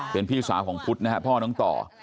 เป็นพี่สาวของพุทธนะครับพ่อน้องต่อ